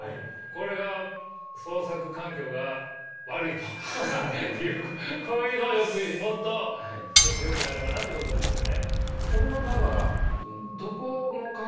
これが創作環境が悪いというこういうのをもっとちょっとよくなればなってことですよね。